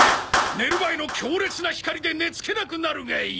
寝る前の強烈な光で寝つけなくなるがいい。